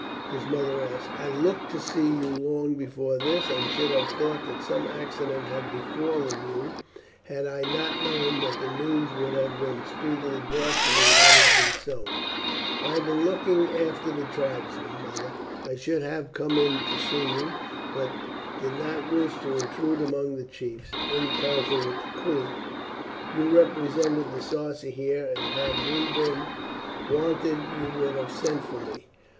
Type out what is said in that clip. his mother asked. "I looked to see you long before this, and should have thought that some accident had befallen you had I not known that the news would have been speedily brought me had it been so." "I have been looking after the tribesmen, mother. I should have come in to see you, but did not wish to intrude among the chiefs in council with the queen. You represented the Sarci here, and had we been wanted you would have sent for me.